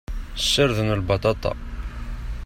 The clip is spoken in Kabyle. Ssarden lbaṭaṭa.